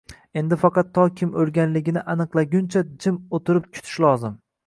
Endi faqat to kim oʻlganligini aniqlaguncha jim oʻtirib kutish lozim.